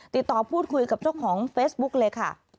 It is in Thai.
ติดต่อพูดคุยกับเจ้าของเฟซบุ๊กเลยค่ะ